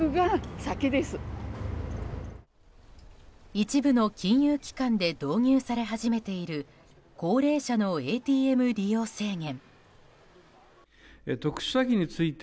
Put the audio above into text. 一部の金融機関で導入され始めている高齢者のＡＴＭ利用制限。